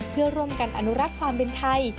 เพื่อร่วมกันอนุรักษ์ความเป็นไทย